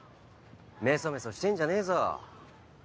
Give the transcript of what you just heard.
メソメソしてんじゃねえぞ。